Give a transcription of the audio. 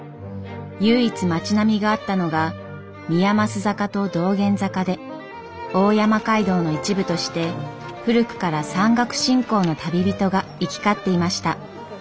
唯一町並みがあったのが宮益坂と道玄坂で大山街道の一部として古くから山岳信仰の旅人が行き交っていました。